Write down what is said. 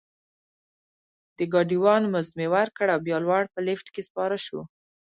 د ګاډي وان مزد مې ورکړ او بیا لوړ په لفټ کې سپاره شوو.